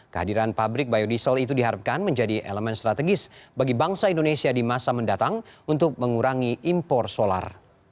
kehadiran pabrik biodiesel itu diharapkan menjadi elemen strategis bagi bangsa indonesia di masa mendatang untuk mengurangi impor solar